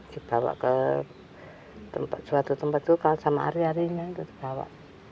dibawa ke suatu tempat itu sama hari harinya